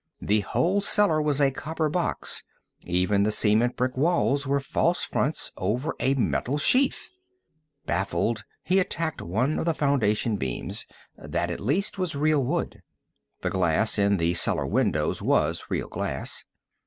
The whole cellar was a copper box. Even the cement brick walls were false fronts over a metal sheath! Baffled, he attacked one of the foundation beams. That, at least, was real wood. The glass in the cellar windows was real glass.